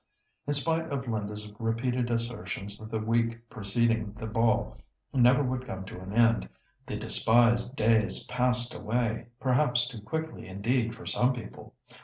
In spite of Linda's repeated assertions that the week preceding the ball never would come to an end, the despised days passed away—perhaps too quickly indeed for some people.